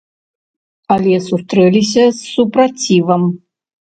Але сустрэліся з супрацівам.